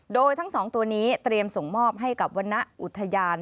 โดยทั้งสองตัวนี้เตรียมส่งมอบให้กับวรรณอุทยาน